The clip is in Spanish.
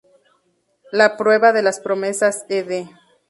X; "La prueba de las promesas", ed.